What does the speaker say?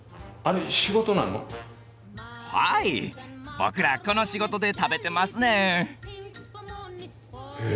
僕らこの仕事で食べてますねん。